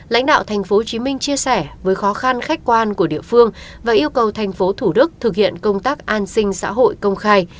lãnh đạo tp hcm chia sẻ với khó khăn khách quan của địa phương và yêu cầu tp thủ đức thực hiện công tác an sinh xã hội công khai